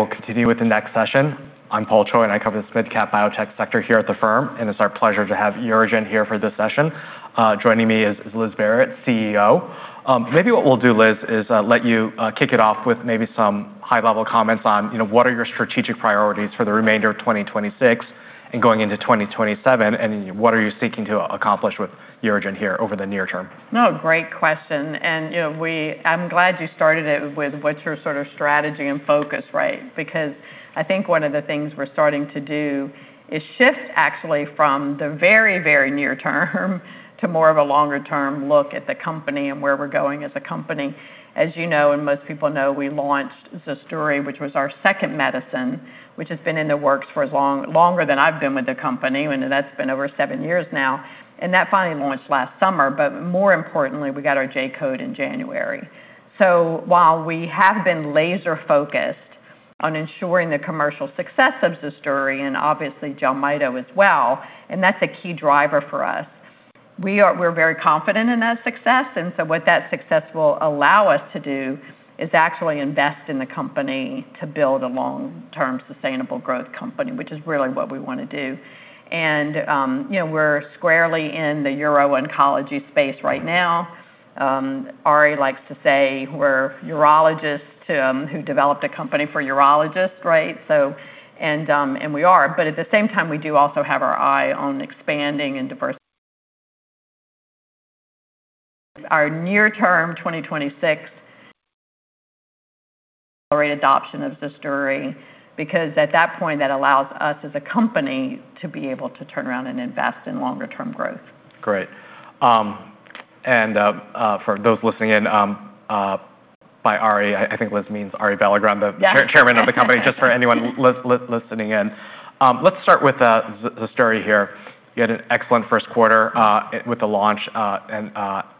We'll continue with the next session. I'm Paul Choi, I cover the mid-cap biotech sector here at the firm. It's our pleasure to have UroGen here for this session. Joining me is Liz Barrett, CEO. Maybe what we'll do, Liz, is let you kick it off with maybe some high-level comments on what are your strategic priorities for the remainder of 2026 and going into 2027, what are you seeking to accomplish with UroGen here over the near term? No, great question. I'm glad you started it with what's your sort of strategy and focus, right? I think one of the things we're starting to do is shift actually from the very, very near term to more of a longer-term look at the company and where we're going as a company. As you know, most people know, we launched ZUSDURI, which was our second medicine, which has been in the works for longer than I've been with the company, that's been over seven years now. That finally launched last summer, but more importantly, we got our J-code in January. While we have been laser-focused on ensuring the commercial success of ZUSDURI and obviously JELMYTO as well, that's a key driver for us. We're very confident in that success. What that success will allow us to do is actually invest in the company to build a long-term sustainable growth company, which is really what we want to do. We're squarely in the uro-oncology space right now. Ari likes to say we're urologists who developed a company for urologists, right? We are, but at the same time, we do also have our eye on expanding and diverse our near-term 2026 accelerated adoption of ZUSDURI, at that point, that allows us as a company to be able to turn around and invest in longer-term growth. Great. For those listening in, by Arie, I think Liz means Arie Belldegrun. Yes. chairman of the company, just for anyone listening in. Let's start with ZUSDURI here. You had an excellent first quarter with the launch.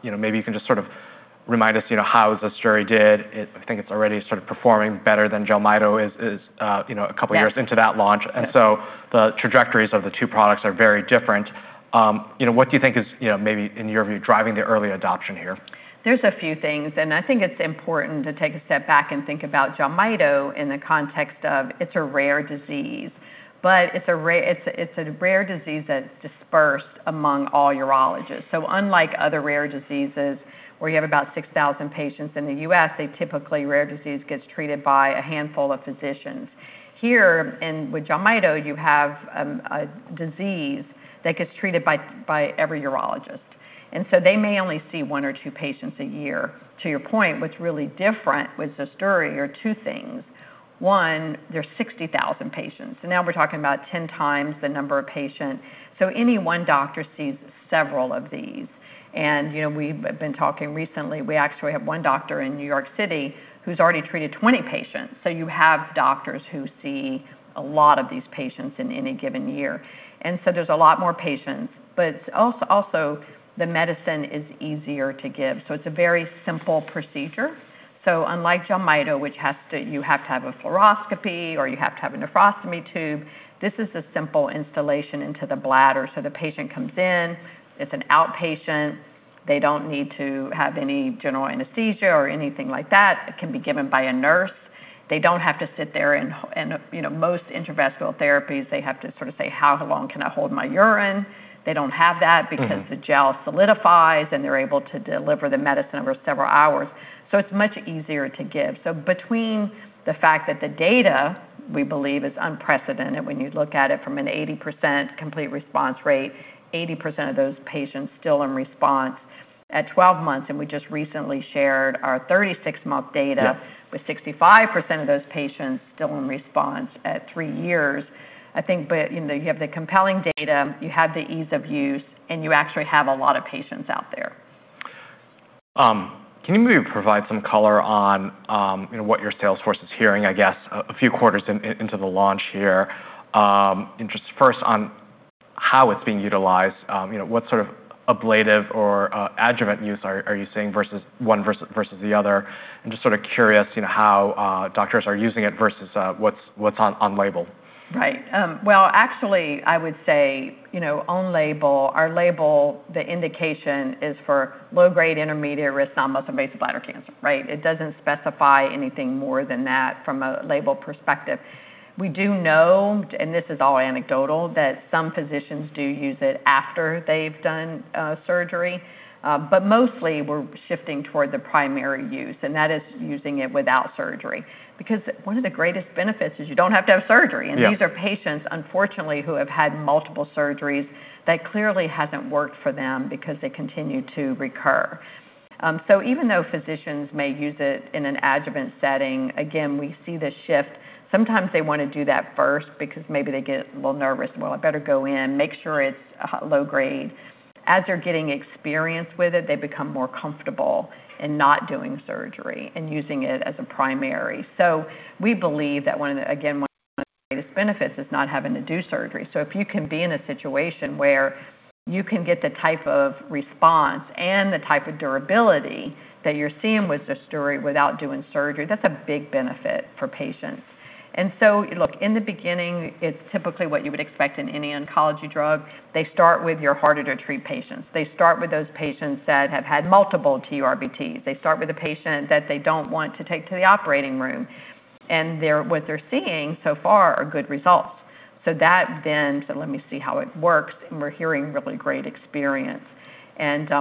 Maybe you can just sort of remind us how ZUSDURI did. I think it's already sort of performing better than JELMYTO is a couple years into that launch. Yes. The trajectories of the two products are very different. What do you think is, maybe in your view, driving the early adoption here? There's a few things. I think it's important to take a step back and think about JELMYTO in the context of it's a rare disease, but it's a rare disease that's dispersed among all urologists. Unlike other rare diseases where you have about 6,000 patients in the U.S., a typically rare disease gets treated by a handful of physicians. Here, with JELMYTO, you have a disease that gets treated by every urologist. They may only see one or two patients a year. To your point, what's really different with ZUSDURI are two things. One, there's 60,000 patients, and now we're talking about 10 times the number of patients, so any one doctor sees several of these. We've been talking recently, we actually have one doctor in New York City who's already treated 20 patients. You have doctors who see a lot of these patients in any given year. There's a lot more patients. Also, the medicine is easier to give. It's a very simple procedure. Unlike JELMYTO, which you have to have a fluoroscopy or you have to have a nephrostomy tube, this is a simple installation into the bladder. The patient comes in, it's an outpatient, they don't need to have any general anesthesia or anything like that. It can be given by a nurse. They don't have to sit there and most intravesical therapies, they have to sort of say, "How long can I hold my urine?" They don't have that. Because the gel solidifies, and they're able to deliver the medicine over several hours, so it's much easier to give. Between the fact that the data, we believe, is unprecedented when you look at it from an 80% complete response rate, 80% of those patients still in response at 12 months, and we just recently shared our 36-month data. Yeah. With 65% of those patients still in response at three years. I think you have the compelling data, you have the ease of use, and you actually have a lot of patients out there. Can you maybe provide some color on what your sales force is hearing, I guess, a few quarters into the launch here? Just first on how it's being utilized, what sort of ablative or adjuvant use are you seeing one versus the other? I'm just sort of curious how doctors are using it versus what's on label. Right. Well, actually, I would say on label, our label, the indication is for low-grade intermediate-risk non-muscle invasive bladder cancer, right? It doesn't specify anything more than that from a label perspective. We do know, and this is all anecdotal, that some physicians do use it after they've done surgery. Mostly we're shifting toward the primary use, and that is using it without surgery. Because one of the greatest benefits is you don't have to have surgery. Yeah. These are patients, unfortunately, who have had multiple surgeries. That clearly hasn't worked for them because they continue to recur. Even though physicians may use it in an adjuvant setting, again, we see the shift. Sometimes they want to do that first because maybe they get a little nervous. "Well, I better go in, make sure it's low-grade." As they're getting experience with it, they become more comfortable in not doing surgery and using it as a primary. We believe that, again, one of the greatest benefits is not having to do surgery. If you can be in a situation where you can get the type of response and the type of durability that you're seeing with ZUSDURI without doing surgery, that's a big benefit for patients. Look, in the beginning, it's typically what you would expect in any oncology drug. They start with your harder-to-treat patients. They start with those patients that have had multiple TURBTs. They start with a patient that they don't want to take to the operating room. What they're seeing so far are good results. That then said, let me see how it works, and we're hearing really great experience.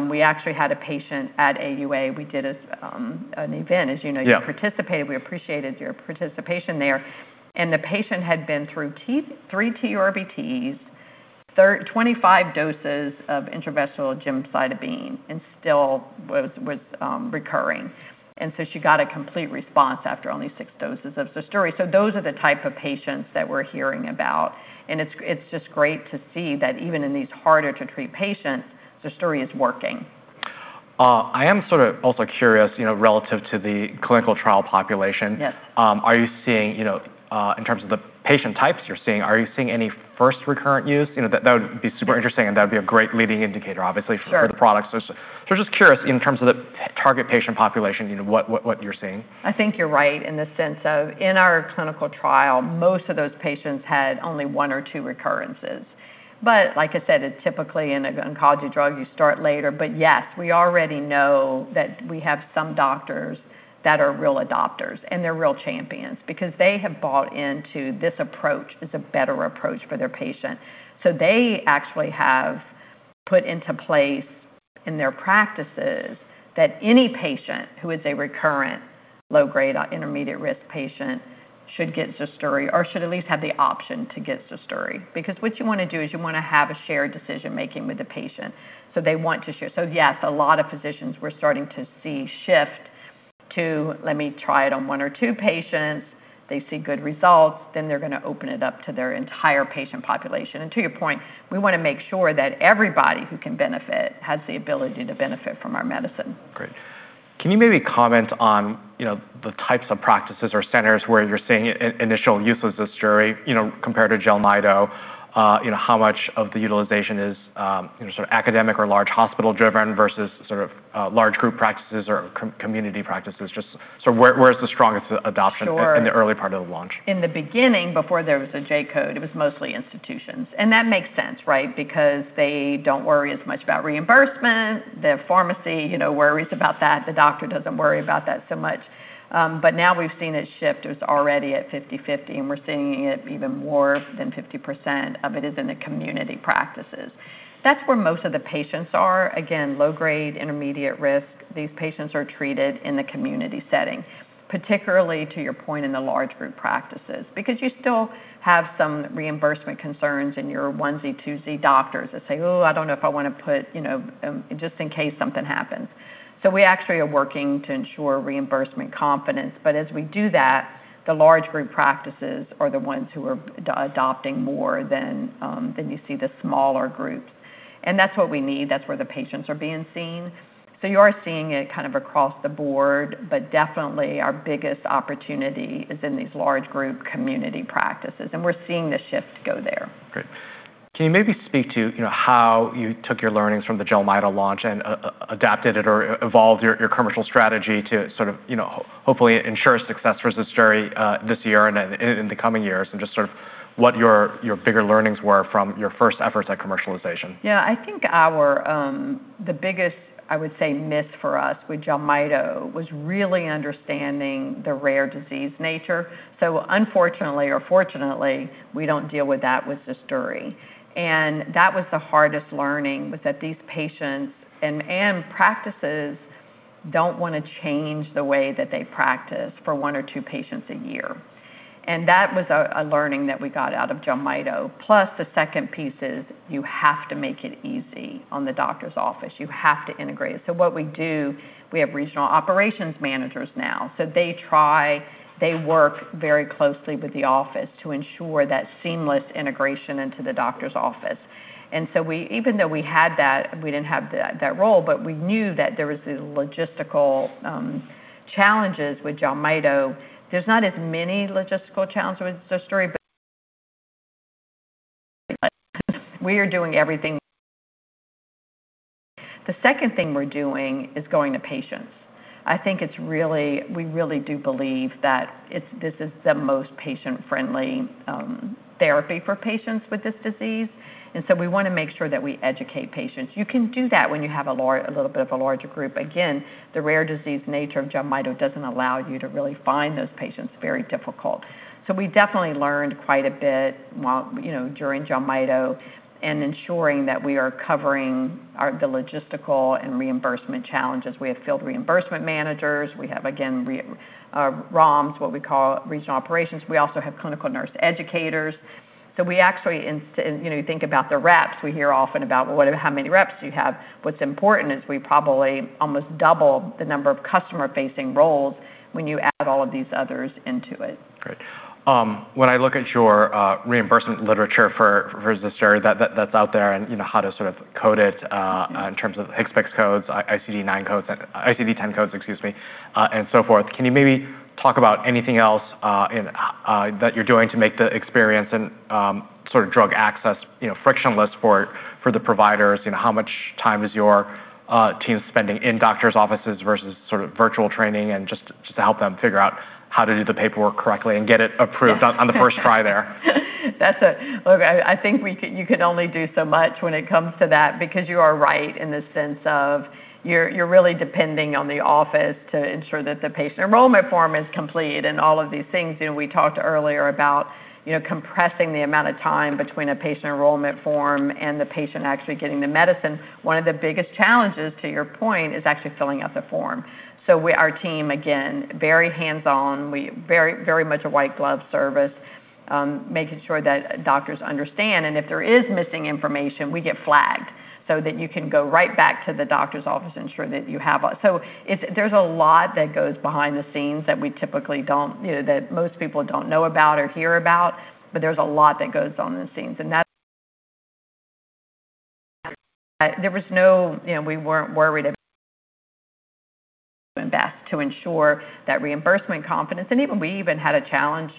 We actually had a patient at AUA. We did an event. Yeah. As you know, you participated. We appreciated your participation there. The patient had been through three TURBTs, 25 doses of intravesical gemcitabine, and still was recurring. She got a complete response after only six doses of ZUSDURI. Those are the type of patients that we're hearing about, and it's just great to see that even in these harder-to-treat patients, ZUSDURI is working. I am sort of also curious, relative to the clinical trial population. Yes. Are you seeing, in terms of the patient types you're seeing, are you seeing any first recurrent use? That would be super interesting, and that would be a great leading indicator, obviously. Sure. For the product. I was just curious in terms of the target patient population, what you're seeing. I think you're right in the sense of, in our clinical trial, most of those patients had only one or two recurrences. Like I said, it's typically in an oncology drug, you start later. Yes, we already know that we have some doctors that are real adopters, and they're real champions because they have bought into this approach as a better approach for their patient. They actually have put into place in their practices that any patient who is a recurrent low-grade or intermediate risk patient should get ZUSDURI or should at least have the option to get ZUSDURI. What you want to do is you want to have a shared decision-making with the patient. They want to share. Yes, a lot of physicians we're starting to see shift to let me try it on one or two patients. They see good results, they're going to open it up to their entire patient population. To your point, we want to make sure that everybody who can benefit has the ability to benefit from our medicine. Great. Can you maybe comment on the types of practices or centers where you're seeing initial use of ZUSDURI compared to JELMYTO? How much of the utilization is academic or large hospital-driven versus large group practices or community practices? Just where's the strongest adoption- Sure. In the early part of the launch? In the beginning, before there was a J-code, it was mostly institutions. That makes sense, right? Because they don't worry as much about reimbursement. The pharmacy worries about that. The doctor doesn't worry about that so much. Now we've seen it shift. It was already at 50/50, and we're seeing it even more than 50% of it is in the community practices. That's where most of the patients are. Again, low grade, intermediate risk. These patients are treated in the community setting, particularly to your point in the large group practices, because you still have some reimbursement concerns in your onesie-twosie doctors that say, "Oh, I don't know if I want to put just in case something happens." We actually are working to ensure reimbursement confidence. As we do that, the large group practices are the ones who are adopting more than you see the smaller groups, and that's what we need. That's where the patients are being seen. You are seeing it kind of across the board. Definitely our biggest opportunity is in these large group community practices, and we're seeing the shift go there. Great. Can you maybe speak to how you took your learnings from the JELMYTO launch and adapted it or evolved your commercial strategy to sort of hopefully ensure success for ZUSDURI this year and in the coming years, and just sort of what your bigger learnings were from your first efforts at commercialization? Yeah. I think the biggest, I would say, miss for us with JELMYTO was really understanding the rare disease nature. Unfortunately or fortunately, we don't deal with that with ZUSDURI. That was the hardest learning, was that these patients and practices don't want to change the way that they practice for one or two patients a year. That was a learning that we got out of JELMYTO. The second piece is you have to make it easy on the doctor's office. You have to integrate it. What we do, we have regional operations managers now. They work very closely with the office to ensure that seamless integration into the doctor's office. Even though we had that, we didn't have that role, but we knew that there was these logistical challenges with JELMYTO. There's not as many logistical challenges with ZUSDURI, we are doing everything. The second thing we're doing is going to patients. I think we really do believe that this is the most patient-friendly therapy for patients with this disease, we want to make sure that we educate patients. You can do that when you have a little bit of a larger group. Again, the rare disease nature of JELMYTO doesn't allow you to really find those patients. Very difficult. We definitely learned quite a bit during JELMYTO and ensuring that we are covering the logistical and reimbursement challenges. We have field reimbursement managers. We have, again, ROMs, what we call regional operations. We also have clinical nurse educators. We actually, you think about the reps, we hear often about, well, how many reps do you have? What's important is we probably almost double the number of customer-facing roles when you add all of these others into it. Great. When I look at your reimbursement literature for ZUSDURI that's out there and how to sort of code it in terms of HCPCS codes, ICD-9 codes, ICD-10 codes, excuse me, and so forth. Can you maybe talk about anything else that you're doing to make the experience and sort of drug access frictionless for the providers? How much time is your team spending in doctors' offices versus sort of virtual training and just to help them figure out how to do the paperwork correctly and get it approved on the first try there? Look, I think you can only do so much when it comes to that because you are right in the sense of you're really depending on the office to ensure that the patient enrollment form is complete and all of these things. We talked earlier about compressing the amount of time between a patient enrollment form and the patient actually getting the medicine. One of the biggest challenges, to your point, is actually filling out the form. Our team, again, very hands-on, very much a white glove service, making sure that doctors understand, and if there is missing information, we get flagged. So that you can go right back to the doctor's office and ensure that you have. There's a lot that goes behind the scenes that most people don't know about or hear about, but there's a lot that goes on the scenes. We weren't worried. We even had a challenge,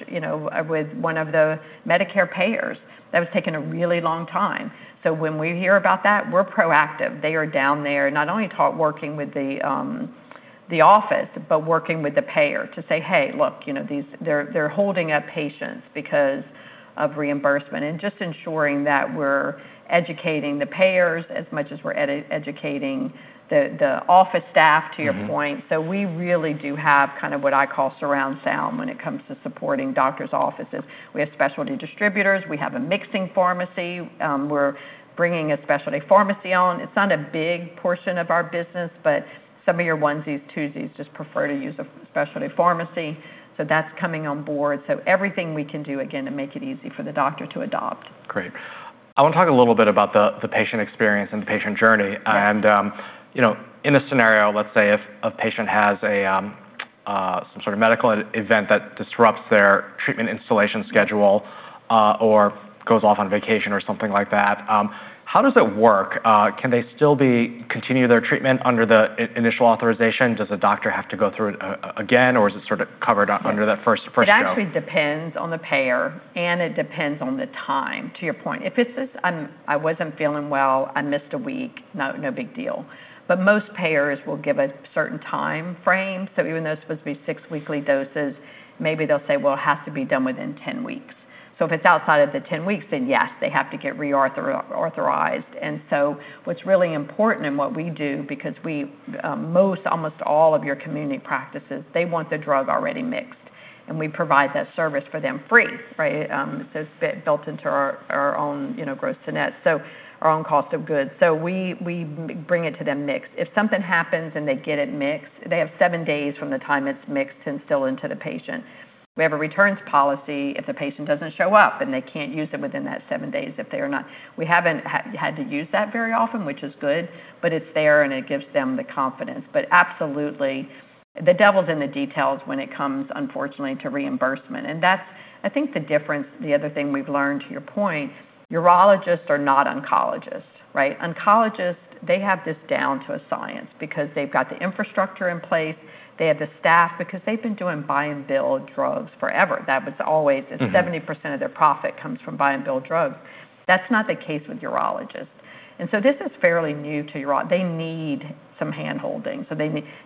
with one of the Medicare payers that was taking a really long time. When we hear about that, we're proactive. They are down there not only working with the office, but working with the payer to say, "Hey, look, they're holding up patients because of reimbursement." Just ensuring that we're educating the payers as much as we're educating the office staff, to your point. We really do have kind of what I call surround sound when it comes to supporting doctors' offices. We have specialty distributors. We have a mixing pharmacy. We're bringing a specialty pharmacy on. It's not a big portion of our business, but some of your onesies, twosies just prefer to use a specialty pharmacy. That's coming on board. Everything we can do, again, to make it easy for the doctor to adopt. Great. I want to talk a little bit about the patient experience and the patient journey. Yeah. In a scenario, let's say if a patient has some sort of medical event that disrupts their treatment installation schedule, or goes off on vacation or something like that, how does it work? Can they still continue their treatment under the initial authorization? Does a doctor have to go through it again, or is it sort of covered under that first go? It actually depends on the payer, and it depends on the time, to your point. If it's just, "I wasn't feeling well, I missed a week," no big deal. Most payers will give a certain time frame. Even though it's supposed to be six-weekly doses, maybe they'll say, "Well, it has to be done within 10 weeks." If it's outside of the 10 weeks, then yes, they have to get re-authorized. What's really important in what we do, because almost all of your community practices, they want the drug already mixed. We provide that service for them free. It's built into our own gross to net, so our own cost of goods. We bring it to them mixed. If something happens and they get it mixed, they have seven days from the time it's mixed to instill into the patient. We have a returns policy if the patient doesn't show up and they can't use it within that seven days. We haven't had to use that very often, which is good, but it's there, and it gives them the confidence. Absolutely, the devil's in the details when it comes, unfortunately, to reimbursement. That's, I think, the difference, the other thing we've learned, to your point, urologists are not oncologists. Oncologists, they have this down to a science because they've got the infrastructure in place. They have the staff because they've been doing buy and bill drugs forever. 70% of their profit comes from buy and bill drugs. That's not the case with urologists. This is fairly new to urologists. They need some hand-holding.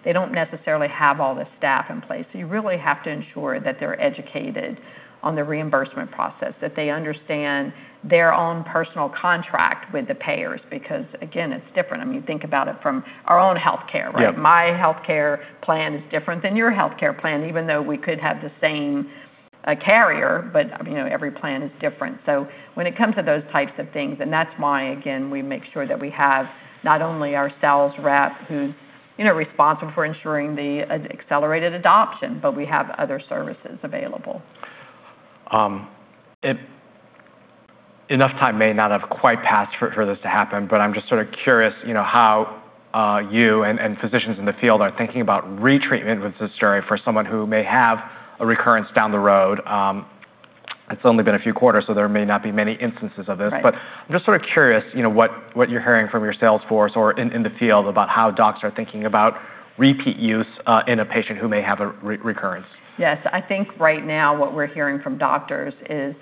They don't necessarily have all the staff in place. You really have to ensure that they're educated on the reimbursement process, that they understand their own personal contract with the payers because, again, it's different. I mean, think about it from our own healthcare, right? Yeah. My healthcare plan is different than your healthcare plan, even though we could have the same carrier, but every plan is different. When it comes to those types of things, and that's why, again, we make sure that we have not only our sales rep who's responsible for ensuring the accelerated adoption, but we have other services available. Enough time may not have quite passed for this to happen, but I'm just sort of curious how you and physicians in the field are thinking about retreatment with ZUSDURI for someone who may have a recurrence down the road. It's only been a few quarters, there may not be many instances of this. Right. I'm just sort of curious what you're hearing from your sales force or in the field about how docs are thinking about repeat use in a patient who may have a recurrence. Yes. I think right now what we're hearing from doctors is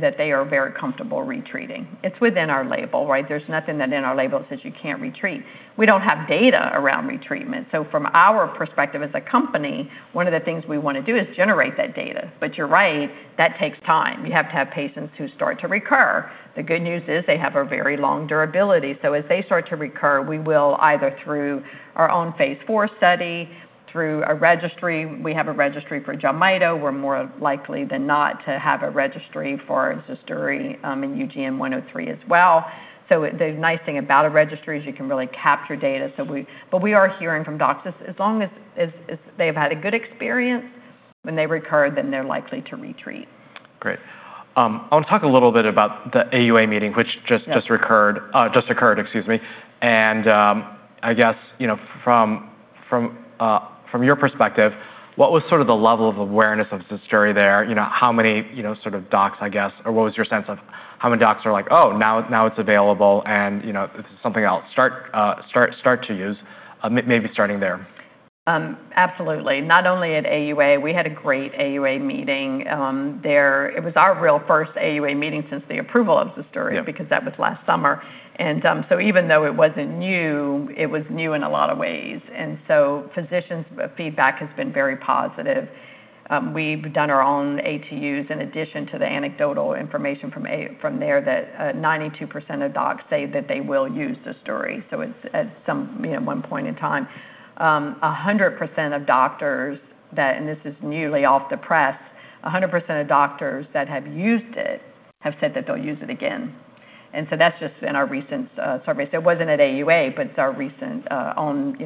that they are very comfortable retreating. It's within our label. There's nothing that in our label says you can't retreat. We don't have data around retreatment. From our perspective as a company, one of the things we want to do is generate that data. You're right, that takes time. You have to have patients who start to recur. The good news is they have a very long durability. As they start to recur, we will either through our own phase IV study, through a registry. We have a registry for JELMYTO. We're more likely than not to have a registry for Cysview in UGN-103 as well. The nice thing about a registry is you can really capture data. We are hearing from docs, as long as they've had a good experience when they recur, then they're likely to retreat. Great. I want to talk a little bit about the AUA meeting, which just- Yeah. Occurred. I guess, from your perspective, what was sort of the level of awareness of Cysview there? How many sort of docs, I guess, or what was your sense of how many docs are like, "Oh, now it's available," and this is something I'll start to use, maybe starting there? Absolutely. Not only at AUA, we had a great AUA meeting there. It was our real first AUA meeting since the approval of Cysview- Yeah. Because that was last summer. Even though it wasn't new, it was new in a lot of ways. Physicians' feedback has been very positive. We've done our own ATU in addition to the anecdotal information from there that 92% of docs say that they will use Cysview, so at one point in time. 100% of doctors, and this is newly off the press, 100% of doctors that have used it have said that they'll use it again. That's just in our recent survey. It wasn't at AUA, but it's our recent own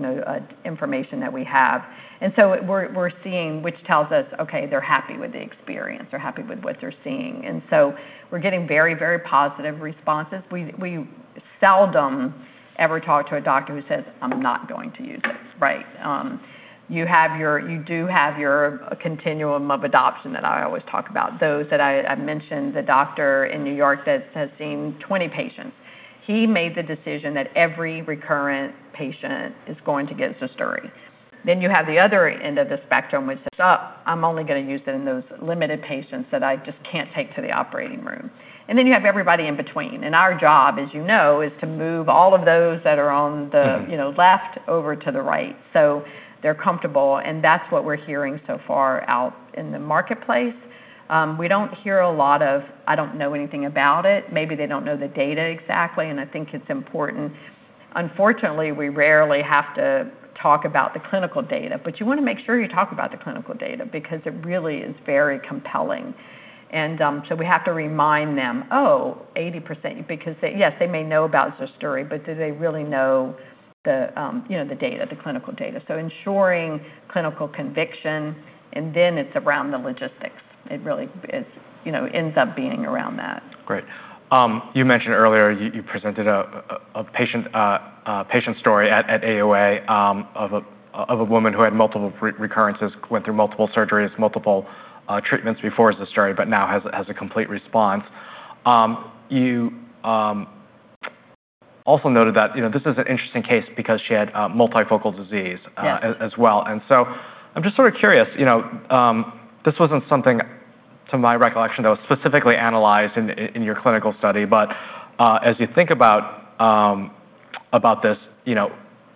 information that we have. We're seeing, which tells us, okay, they're happy with the experience. They're happy with what they're seeing. We're getting very positive responses. We seldom ever talk to a doctor who says, "I'm not going to use this." Right. You do have your continuum of adoption that I always talk about. Those that I mentioned, the doctor in New York that has seen 20 patients. He made the decision that every recurrent patient is going to get ZUSDURI. You have the other end of the spectrum which says, "Oh, I'm only going to use it in those limited patients that I just can't take to the operating room." You have everybody in between. Our job, as you know, is to move all of those that are on the- left over to the right so they're comfortable, and that's what we're hearing so far out in the marketplace. We don't hear a lot of, "I don't know anything about it." Maybe they don't know the data exactly, and I think it's important. Unfortunately, we rarely have to talk about the clinical data, but you want to make sure you talk about the clinical data because it really is very compelling. We have to remind them, oh, 80%. Because yes, they may know about ZUSDURI, but do they really know the data, the clinical data? Ensuring clinical conviction, it's around the logistics. It really ends up being around that. Great. You mentioned earlier you presented a patient story at AUA, of a woman who had multiple recurrences, went through multiple surgeries, multiple treatments before ZUSDURI, but now has a complete response. You also noted that this is an interesting case because she had multifocal disease. Yes. As well. I'm just sort of curious. This wasn't something, to my recollection, that was specifically analyzed in your clinical study, but as you think about this,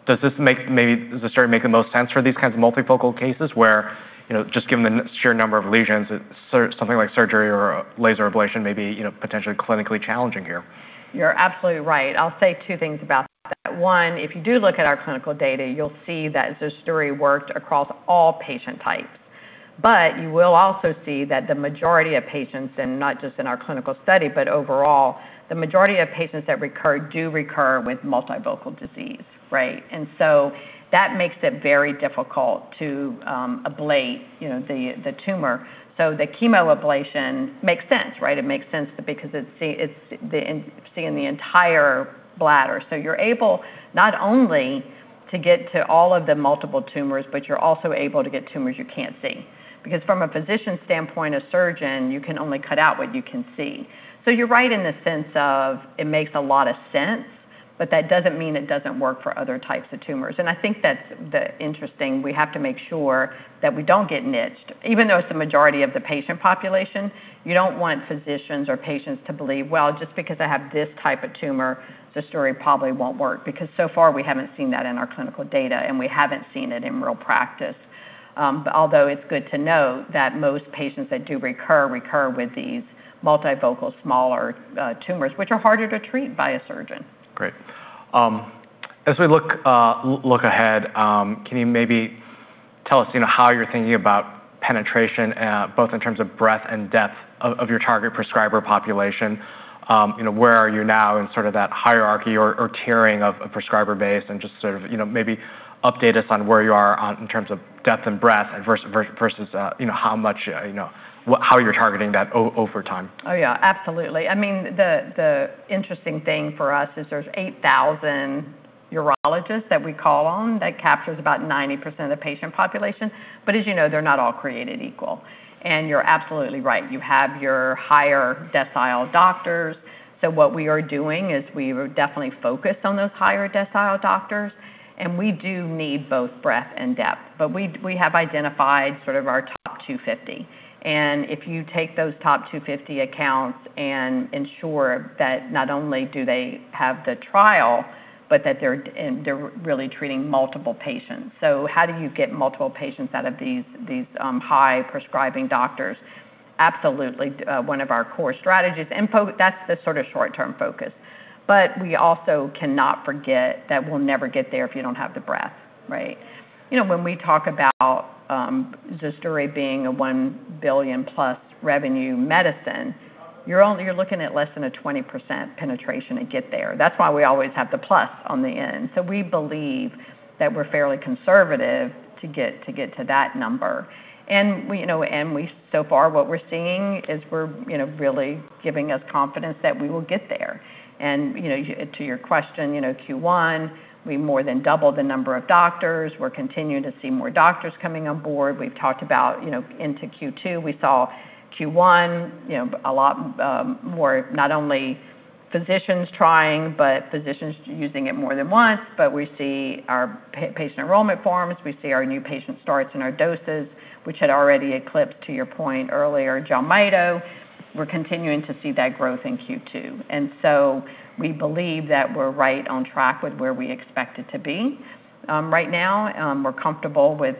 does ZUSDURI make the most sense for these kinds of multifocal cases where, just given the sheer number of lesions, something like surgery or laser ablation may be potentially clinically challenging here? You're absolutely right. I'll say two things about that. One, if you do look at our clinical data, you'll see that ZUSDURI worked across all patient types. You will also see that the majority of patients, and not just in our clinical study, but overall, the majority of patients that recur do recur with multifocal disease, right? That makes it very difficult to ablate the tumor. The chemoablation makes sense. It makes sense because it's seeing the entire bladder. You're able not only to get to all of the multiple tumors, but you're also able to get tumors you can't see. From a physician's standpoint, a surgeon, you can only cut out what you can see. You're right in the sense of it makes a lot of sense, but that doesn't mean it doesn't work for other types of tumors. I think that's interesting. We have to make sure that we don't get niched. Even though it's the majority of the patient population, you don't want physicians or patients to believe, well, just because I have this type of tumor, ZUSDURI probably won't work because so far we haven't seen that in our clinical data, and we haven't seen it in real practice. Although it's good to know that most patients that do recur with these multifocal smaller tumors, which are harder to treat by a surgeon. Great. As we look ahead, can you maybe tell us how you're thinking about penetration, both in terms of breadth and depth of your target prescriber population? Where are you now in sort of that hierarchy or tiering of a prescriber base and just sort of maybe update us on where you are in terms of depth and breadth versus how you're targeting that over time. Oh, yeah. Absolutely. The interesting thing for us is there's 8,000 urologists that we call on. That captures about 90% of the patient population. As you know, they're not all created equal. You're absolutely right. You have your higher decile doctors. What we are doing is we definitely focus on those higher decile doctors, and we do need both breadth and depth. We have identified sort of our top 250, and if you take those top 250 accounts and ensure that not only do they have the trial, but that they're really treating multiple patients. How do you get multiple patients out of these high-prescribing doctors? Absolutely one of our core strategies. That's the sort of short-term focus. We also cannot forget that we'll never get there if you don't have the breadth, right? When we talk about ZUSDURI being a $1 billion-plus revenue medicine, you're looking at less than a 20% penetration to get there. That's why we always have the plus on the end. We believe that we're fairly conservative to get to that number. So far what we're seeing is really giving us confidence that we will get there. To your question, Q1, we more than doubled the number of doctors. We're continuing to see more doctors coming on board. We've talked about into Q2. We saw Q1, a lot more not only physicians trying, but physicians using it more than once, but we see our patient enrollment forms. We see our new patient starts and our doses, which had already eclipsed, to your point earlier, JELMYTO. We're continuing to see that growth in Q2. We believe that we're right on track with where we expect it to be. Right now, we're comfortable with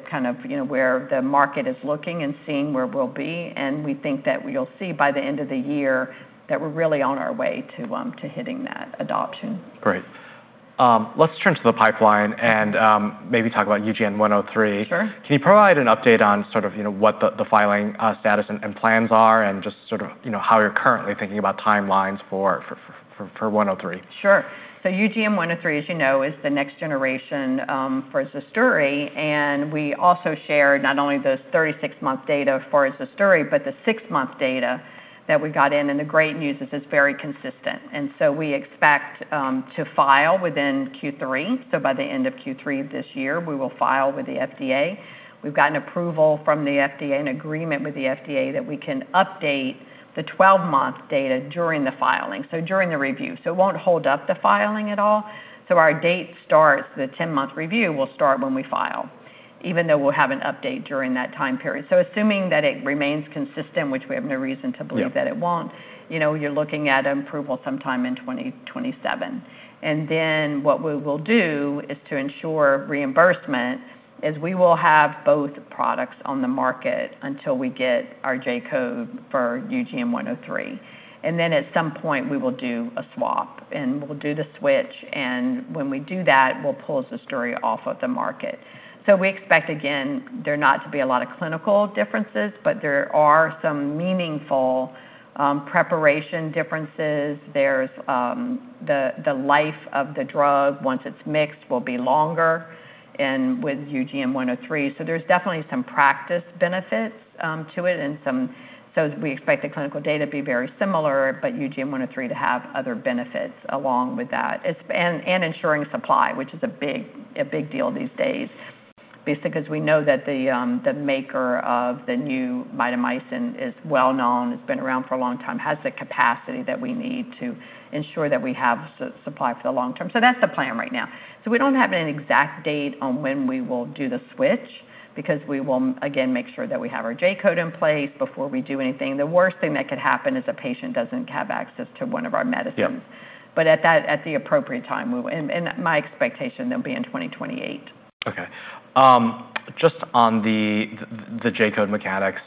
where the market is looking and seeing where we'll be, and we think that we'll see by the end of the year that we're really on our way to hitting that adoption. Great. Let's turn to the pipeline and maybe talk about UGN-103. Sure. Can you provide an update on sort of what the filing status and plans are and just sort of how you're currently thinking about timelines for 103? Sure. UGN-103, as you know, is the next generation for ZUSDURI, and we also shared not only the 36-month data for ZUSDURI, but the six-month data that we got in, and the great news is it's very consistent. We expect to file within Q3. By the end of Q3 this year, we will file with the FDA. We've gotten approval from the FDA, an agreement with the FDA, that we can update the 12-month data during the filing, so during the review. It won't hold up the filing at all. Our date starts, the 10-month review will start when we file, even though we'll have an update during that time period. Assuming that it remains consistent, which we have no reason to believe. Yeah. That it won't, you're looking at approval sometime in 2027. What we will do is to ensure reimbursement, is we will have both products on the market until we get our J-code for UGN-103. At some point, we will do a swap, and we'll do the switch. When we do that, we'll pull ZUSDURI off of the market. We expect, again, there not to be a lot of clinical differences, but there are some meaningful preparation differences. There's the life of the drug, once it's mixed, will be longer and with UGN-103. There's definitely some practice benefits to it. We expect the clinical data to be very similar, but UGN-103 to have other benefits along with that. Ensuring supply, which is a big deal these days, basically because we know that the maker of the new mitomycin is well known, it's been around for a long time, has the capacity that we need to ensure that we have supply for the long term. That's the plan right now. We don't have an exact date on when we will do the switch because we will, again, make sure that we have our J-code in place before we do anything. The worst thing that could happen is a patient doesn't have access to one of our medicines. Yeah. At the appropriate time, and my expectation, that'll be in 2028. Okay. Just on the J-code mechanics,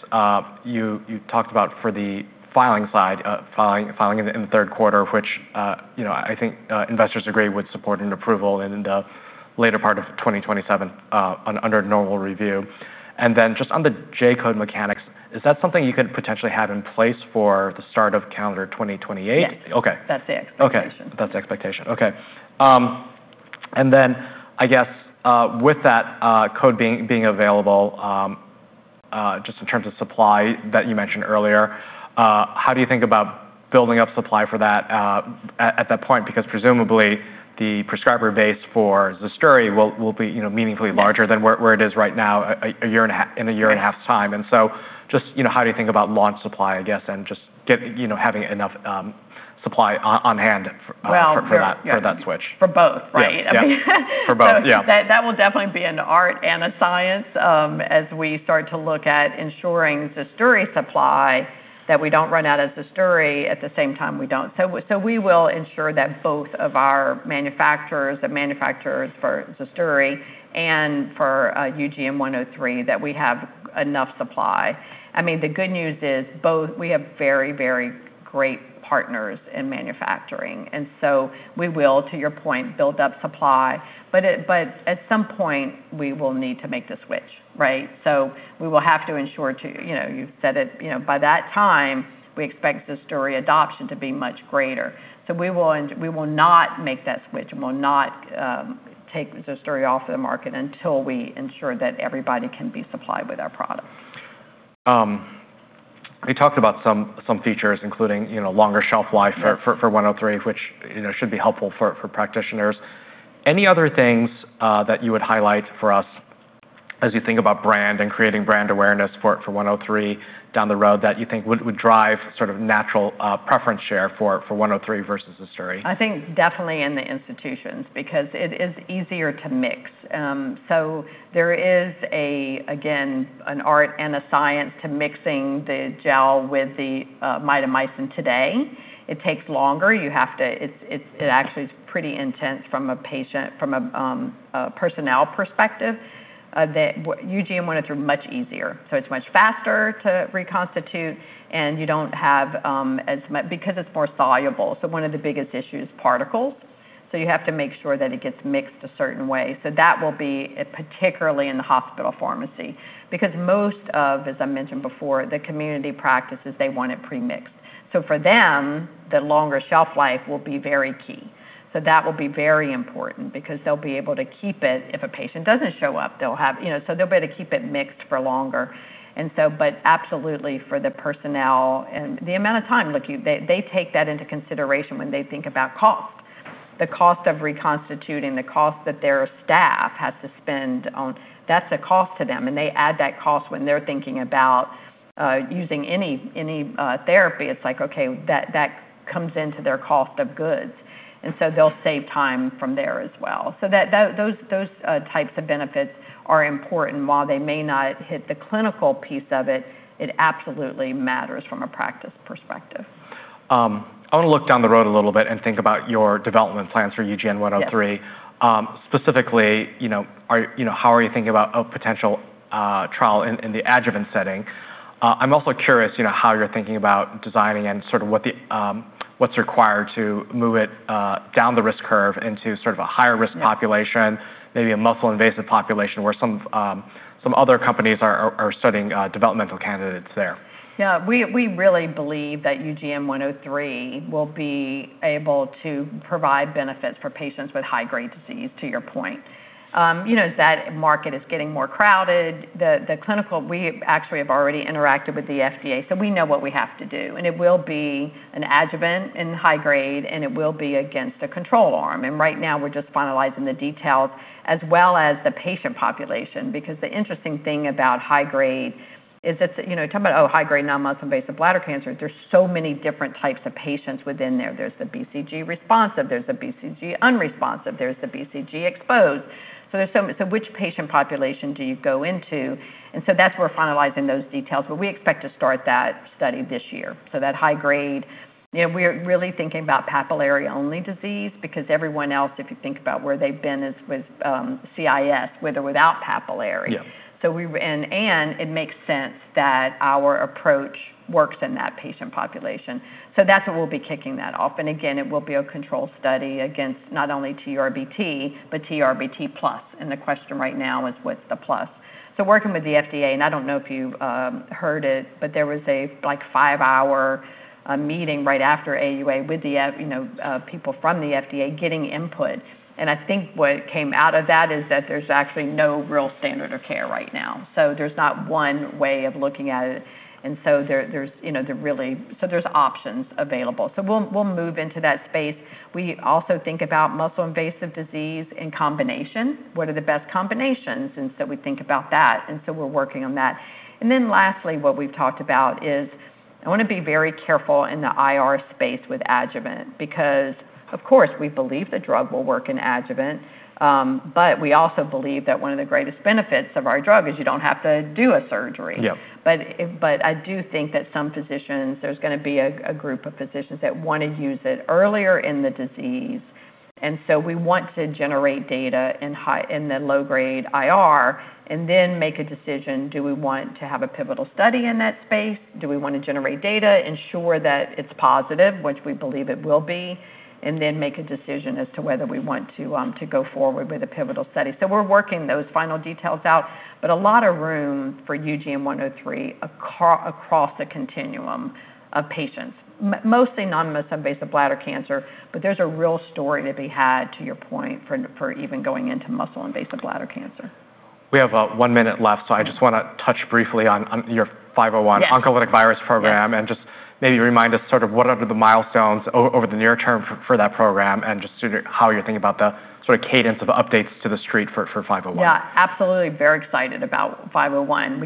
you talked about for the filing side, filing in the third quarter, which I think investors agree would support an approval in the later part of 2027, under normal review. Then just on the J-code mechanics, is that something you could potentially have in place for the start of calendar 2028? Yes. Okay. That's the expectation. Okay. That's the expectation. Okay. I guess, with that code being available, just in terms of supply that you mentioned earlier, how do you think about building up supply for that at that point? Because presumably, the prescriber base for ZUSDURI will be meaningfully- Yes. Larger than where it is right now in a year and a half's time. Just how do you think about launch supply, I guess, and just having enough supply on hand- Well- For that switch? For both, right? Yeah. For both, yeah. That will definitely be an art and a science as we start to look at ensuring ZUSDURI supply, that we don't run out of ZUSDURI, at the same time we will ensure that both of our manufacturers, the manufacturers for ZUSDURI and for UGN-103, that we have enough supply. The good news is both we have very great partners in manufacturing, and so we will, to your point, build up supply. At some point, we will need to make the switch, right? We will have to ensure You've said it, by that time, we expect ZUSDURI adoption to be much greater. We will not make that switch, and we'll not take ZUSDURI off the market until we ensure that everybody can be supplied with our product. We talked about some features, including longer shelf life. Yeah. For 103, which should be helpful for practitioners. Any other things that you would highlight for us as you think about brand and creating brand awareness for 103 down the road that you think would drive sort of natural preference share for 103 versus ZUSDURI? I think definitely in the institutions, because it is easier to mix. There is, again, an art and a science to mixing the gel with the mitomycin today. It takes longer. It actually is pretty intense from a personnel perspective. UGN-103 is much easier. It's much faster to reconstitute, and you don't have as much because it's more soluble. One of the biggest issues is particles. You have to make sure that it gets mixed a certain way. That will be particularly in the hospital pharmacy. Because most of, as I mentioned before, the community practices, they want it pre-mixed. For them, the longer shelf life will be very key. That will be very important because they'll be able to keep it if a patient doesn't show up. They'll be able to keep it mixed for longer. Absolutely for the personnel and the amount of time, look, they take that into consideration when they think about cost. The cost of reconstituting, the cost that their staff has to spend on, that's a cost to them, and they add that cost when they're thinking about using any therapy. It's like, okay, that comes into their cost of goods. They'll save time from there as well. Those types of benefits are important. While they may not hit the clinical piece of it absolutely matters from a practice perspective. I want to look down the road a little bit and think about your development plans for UGN- Yes. 103. Specifically, how are you thinking about a potential trial in the adjuvant setting? I'm also curious how you're thinking about designing and what's required to move it down the risk curve into a higher risk population, maybe a muscle-invasive population where some other companies are studying developmental candidates there. Yeah. We really believe that UGN-103 will be able to provide benefits for patients with high-grade disease, to your point. That market is getting more crowded. The clinical, we actually have already interacted with the FDA, so we know what we have to do. It will be an adjuvant in high grade, and it will be against a control arm. Right now we're just finalizing the details as well as the patient population, because the interesting thing about high grade is that talking about, oh, high grade now, muscle-invasive bladder cancer, there's so many different types of patients within there. There's the BCG responsive, there's the BCG unresponsive, there's the BCG exposed. Which patient population do you go into? We're finalizing those details, we expect to start that study this year. That high grade, we're really thinking about papillary-only disease because everyone else, if you think about where they've been, is with CIS, with or without papillary. Yeah. It makes sense that our approach works in that patient population. That's when we'll be kicking that off. Again, it will be a control study against not only TURBT, but TURBT +. The question right now is what's the plus? Working with the FDA, and I don't know if you heard it, but there was a five-hour meeting right after AUA with people from the FDA getting input. I think what came out of that is that there's actually no real standard of care right now. There's not one way of looking at it. There's options available. We'll move into that space. We also think about muscle-invasive disease in combination. What are the best combinations? We think about that, we're working on that. Lastly, what we've talked about is I want to be very careful in the IR space with adjuvant because, of course, we believe the drug will work in adjuvant, but we also believe that one of the greatest benefits of our drug is you don't have to do a surgery. Yeah. I do think that some physicians, there's going to be a group of physicians that want to use it earlier in the disease. We want to generate data in the low-grade IR and then make a decision. Do we want to have a pivotal study in that space? Do we want to generate data, ensure that it's positive, which we believe it will be, and then make a decision as to whether we want to go forward with a pivotal study? We're working those final details out, but a lot of room for UGN-103 across the continuum of patients, mostly non-muscle-invasive bladder cancer, but there's a real story to be had, to your point, for even going into muscle-invasive bladder cancer. We have one minute left. I just want to touch briefly on your 501- Yes. oncolytic virus program and just maybe remind us what are the milestones over the near term for that program and just how you're thinking about the cadence of updates to the street for 501. Absolutely. Very excited about 501.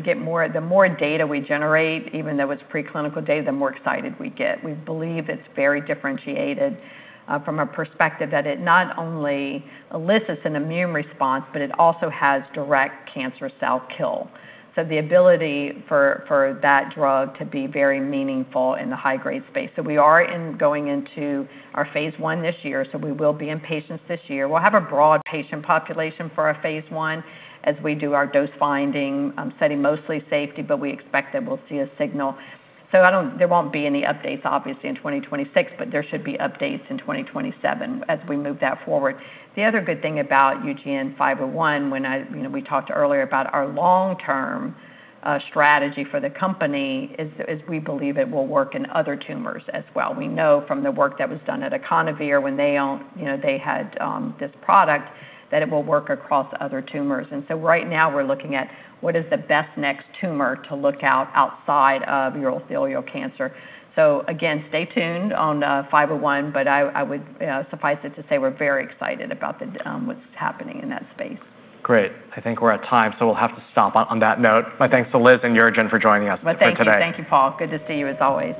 The more data we generate, even though it's pre-clinical data, the more excited we get. We believe it's very differentiated from a perspective that it not only elicits an immune response, but it also has direct cancer cell kill. The ability for that drug to be very meaningful in the high-grade space. We are going into our phase I this year. We will be in patients this year. We'll have a broad patient population for our phase I as we do our dose finding study, mostly safety, but we expect that we'll see a signal. There won't be any updates, obviously, in 2026, but there should be updates in 2027 as we move that forward. The other good thing about UGN-501, when we talked earlier about our long-term strategy for the company is we believe it will work in other tumors as well. We know from the work that was done at IconOVir when they had this product, that it will work across other tumors. Right now we're looking at what is the best next tumor to look out outside of urothelial cancer. Again, stay tuned on 501, but I would suffice it to say we're very excited about what's happening in that space. Great. I think we're at time, we'll have to stop on that note. My thanks to Liz and UroGen for joining us today. Thank you, Paul. Good to see you as always.